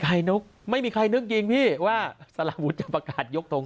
นกไม่มีใครนึกยิงพี่ว่าสารวุฒิจะประกาศยกตรง